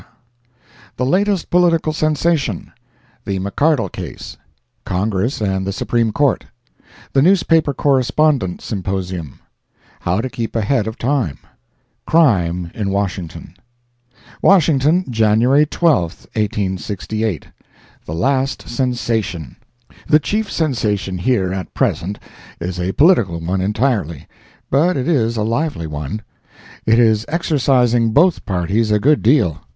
] The Latest Political Sensation—The McCardle Case—Congress and the Supreme Court—The Newspaper Correspondent Symposium—How to Keep Ahead of Time—Crime in Washington. WASHINGTON, January 12th, 1868. The Last Sensation. The chief sensation here at present is a political one entirely, but it is a lively one. It is exercising both parties a good deal.